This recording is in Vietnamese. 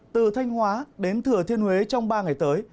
từ thanh hóa đến thừa thiên huế trong ba ngày tới